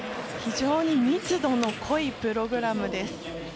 非常に密度の濃いプログラムです。